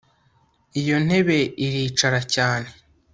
iyo ntebe iricara cyane